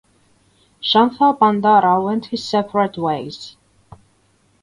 Shantha Bandara went his separate ways.